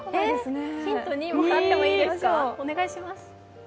ヒント２、もらってもいいですか。